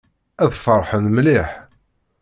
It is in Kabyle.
Ad ferḥen mliḥ.